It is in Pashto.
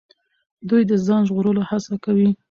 دوی د ځان ژغورلو هڅه کوي.